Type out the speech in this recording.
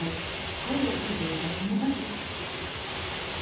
声をかけていたその時！